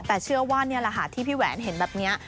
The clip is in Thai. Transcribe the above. แต่เชื่อว่านี่แหละค่ะที่พี่แหวนเห็นแบบนี้